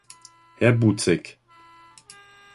Herr Buzek.